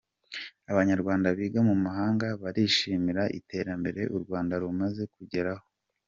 Abanyarwanda biga mu mahanga barishimira iterambere u Rwanda rumaze kugeraho